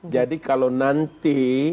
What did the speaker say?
jadi kalau nanti